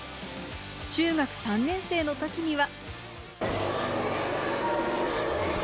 中学３年生のときには。